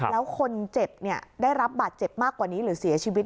แล้วคนเจ็บได้รับบาดเจ็บมากกว่านี้หรือเสียชีวิต